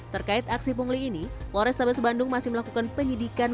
terkait aksi pungli ini polrestabes bandung masih melakukan penyidikan